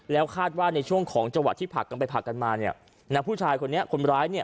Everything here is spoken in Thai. แล้วคาดว่าในช่วงของจังหวะที่ผลักกันไปผลักกันมาเนี่ยนะผู้ชายคนนี้คนร้ายเนี่ย